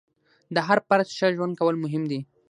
د هر فرد ښه ژوند کول مهم دي.